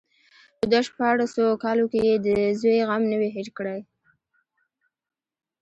په دو شپاړسو کالو کې يې د زوى غم نه وي هېر کړى.